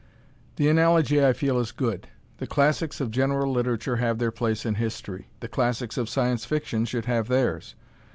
The analogy, I feel, is good. The classics of general literature have their place in history. The classics of Science Fiction should have theirs.